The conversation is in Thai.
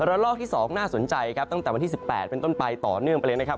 ลอกที่๒น่าสนใจครับตั้งแต่วันที่๑๘เป็นต้นไปต่อเนื่องไปเลยนะครับ